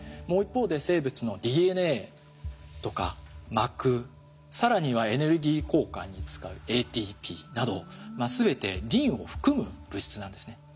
もう一方で生物のＤＮＡとか膜更にはエネルギー交換に使うＡＴＰなど全てリンを含む物質なんですね。